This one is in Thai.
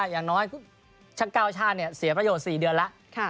อย่างน้อยชั้นเก้าชาติเนี่ยเสียประโยชน์๔เดือนแล้ว